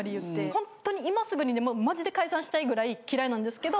本当に今すぐにでもマジで解散したいぐらい嫌いなんですけど。